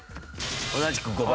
同じく５番。